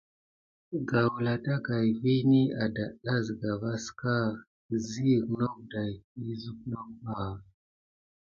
Gawla ɗagaï vini adata sika vaska kisiyeke noke daki sunokbas.